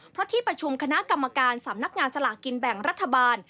เพราะที่ประชุมคณะกรรมการสำนักงานสลากกินแบ่งรัฐบาล